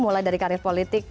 mulai dari karir politik